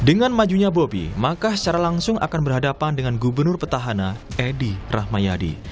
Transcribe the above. dengan majunya bobi maka secara langsung akan berhadapan dengan gubernur petahana edy rahmayadi